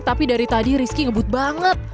tapi dari tadi rizky ngebut banget